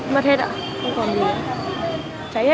mất hết ạ không còn gì